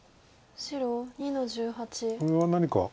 これは何か。